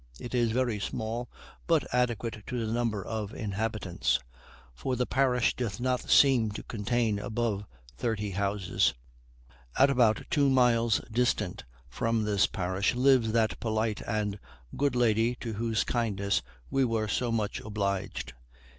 It is very small, but adequate to the number of inhabitants; for the parish doth not seem to contain above thirty houses. At about two miles distant from this parish lives that polite and good lady to whose kindness we were so much obliged.